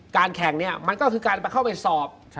การแข่งนี้มันก็คือการไปเข้าไปสอบ